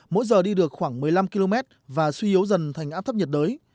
mỗi giờ đi được khoảng một mươi năm km và suy yếu dần thành áp thấp nhiệt đới